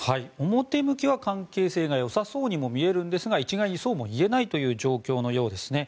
表向きは関係性が良さそうにもみえるんですが一概にもそうは言えないという状況のようですね。